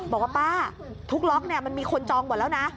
บอกว่าป้าทุกล็อกมันมีคนจองหมดแล้วนะ